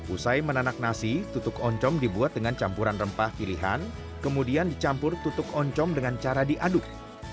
usai menanak nasi tutuk oncom dibuat dengan campuran rempah pilihan kemudian dicampur tutuk oncom dengan cara diaduk